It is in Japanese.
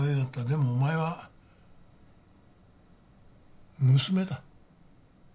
でもお前は娘だ。